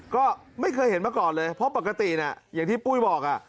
ก็ไม่เคยเห็นมาก่อนเลยเพราะปกติอย่างที่ปุ้ยบอก